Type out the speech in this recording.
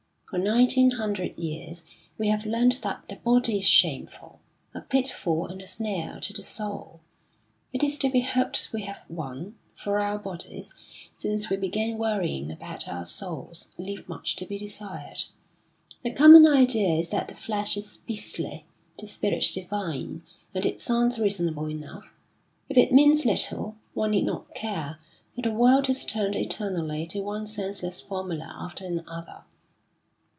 For nineteen hundred years we have learnt that the body is shameful, a pitfall and a snare to the soul. It is to be hoped we have one, for our bodies, since we began worrying about our souls, leave much to be desired. The common idea is that the flesh is beastly, the spirit divine; and it sounds reasonable enough. If it means little, one need not care, for the world has turned eternally to one senseless formula after another.